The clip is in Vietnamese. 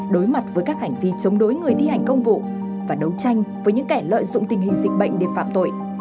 đối mặt với các hành vi chống đối người thi hành công vụ và đấu tranh với những kẻ lợi dụng tình hình dịch bệnh để phạm tội